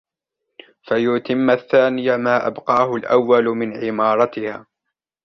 فَيُتِمُّ الثَّانِيَ مَا أَبْقَاهُ الْأَوَّلُ مِنْ عِمَارَتِهَا